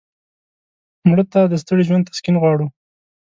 مړه ته د ستړي ژوند تسکین غواړو